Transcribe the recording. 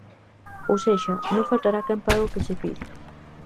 Ou sexa: non faltará quen pague o que se pide.